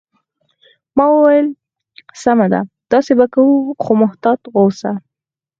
ما وویل: سمه ده، داسې به کوو، خو محتاط اوسه.